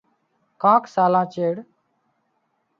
ڪانڪ سالان چيڙ